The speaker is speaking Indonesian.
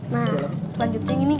nah selanjutnya gini kak